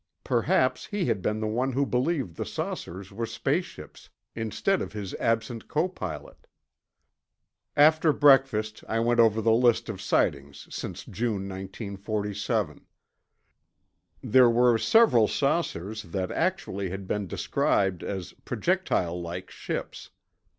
Perhaps he had been the one who believed the saucers were space ships, instead of his absent copilot. After breakfast, I went over the list of sightings since June 1947. There were several saucers that actually had been described as projectile like ships.